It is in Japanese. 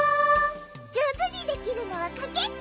じょうずにできるのはかけっこ！